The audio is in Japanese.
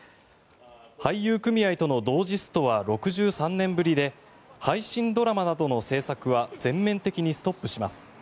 俳優組合との同時ストは６３年ぶりで配信ドラマなどの制作は全面的にストップします。